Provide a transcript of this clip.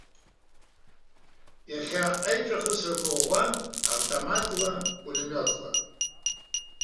Иахьа аиҿахысрақәа ӷәӷәан автоматла, пулемиотла.